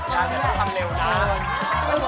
ข้าจะทำเร็วนะ